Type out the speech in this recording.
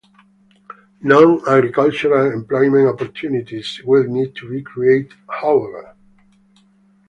Non-agricultural employment opportunities will need to be created, however.